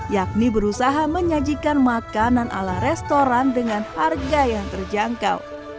yakni berusaha menyajikan makanan ala restoran dengan harga yang terjangkau